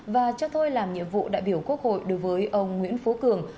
và cho thôi làm nhiệm vụ đại biểu quốc hội đối với ông nguyễn phú cường